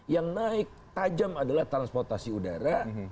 yang naik tajam adalah transportasi udara